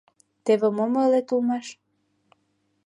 — Теве мом ойлет улмаш...